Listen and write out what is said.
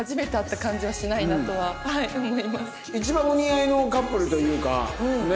一番お似合いのカップルというかねえ。